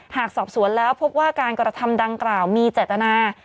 หากสอบสวนแล้วพบว่าการกระทำดังกล่าวมีเจตนา